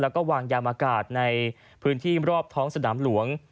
แล้วก็วางยามอากาศในพื้นที่รอบท้องสนามหลวง